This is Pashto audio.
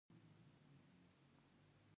ښه خدمت د پیرودونکي د زړه دروازه ده.